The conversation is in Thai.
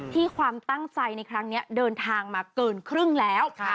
ความตั้งใจในครั้งนี้เดินทางมาเกินครึ่งแล้ว